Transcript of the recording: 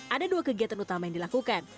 ada dua kegiatan utama yang dilakukan